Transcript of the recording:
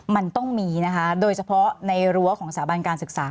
มันต้องมีนะคะโดยเฉพาะในรั้วของสถาบันการศึกษา